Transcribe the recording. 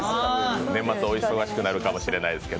年末お忙しくなるかもしれないですね。